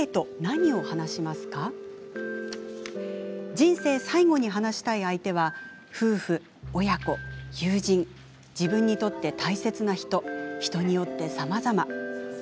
人生最後に話したい相手は夫婦、親子、友人自分にとって大切な人人によってさまざま。